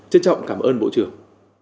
trân trọng cảm ơn bộ trưởng